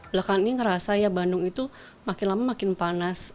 belakang ini merasa bandung itu makin lama makin panas